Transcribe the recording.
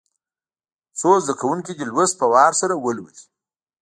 څو زده کوونکي دي لوست په وار سره ولولي.